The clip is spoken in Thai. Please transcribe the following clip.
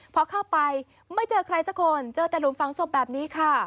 พอเข้าไปไม่เจอใครสักคนเจอแต่หลุมฝังศพแบบนี้ค่ะ